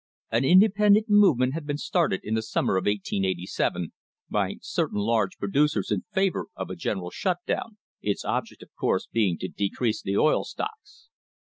An independent movement had been started in the summer of 1887 by certain large produc ers in favour of a general "shut down," its object, of course, being to decrease the oil stocks.